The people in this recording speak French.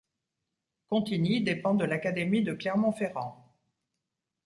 Contigny dépend de l'académie de Clermont-Ferrand.